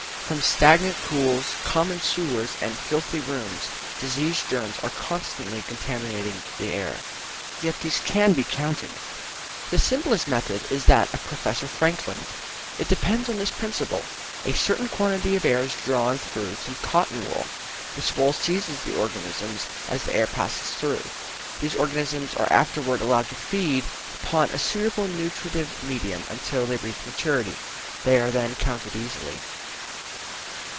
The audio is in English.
From stagnant pools, common sewers, and filthy rooms, disease germs are constantly contaminating the air. Yet these can be counted. The simplest method is that of Professor Frankland. It depends on this principle: a certain quantity of air is drawn through some cotton wool; this wool seizes the organisms as the air passes through; these organisms are afterwards allowed to feed upon a suitable nutritive medium until they reach maturity; they are then counted easily.